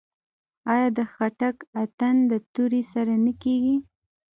آیا د خټک اتن د تورې سره نه کیږي؟